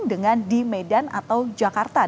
selain berkel resonates yang salah